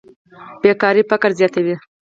بېکاري فقر زیاتوي.